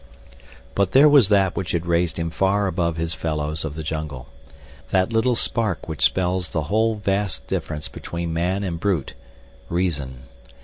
But there was that which had raised him far above his fellows of the jungle—that little spark which spells the whole vast difference between man and brute—Reason.